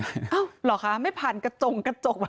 อ้าวหรือสมมติใครจะไม่ผ่านกระจก